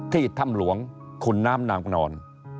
ที่ท่ำหลวงคุณน้ำนางนอน